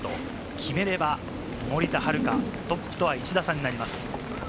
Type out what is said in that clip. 決めれば、森田遥、トップとは１打差になります。